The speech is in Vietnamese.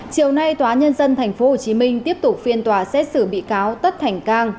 chiều nay tòa nhân dân tp hcm tiếp tục phiên tòa xét xử bị cáo tất thành cang